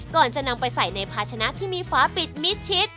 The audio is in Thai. ก่อนจะนำไปใส่ในภาชนะที่มีฟ้าปิดมิดชิด